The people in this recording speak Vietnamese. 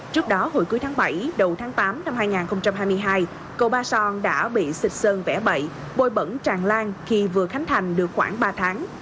trước đó hồi cuối tháng bảy đầu tháng tám năm hai nghìn hai mươi hai cầu ba son đã bị xịt sơn vẽ bậy bôi bẩn tràn lan khi vừa khánh thành được khoảng ba tháng